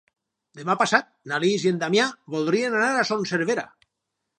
Demà passat na Lis i en Damià voldrien anar a Son Servera.